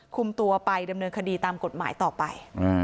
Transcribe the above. คุมตัวไปดำเนินคดีตามกฎหมายต่อไป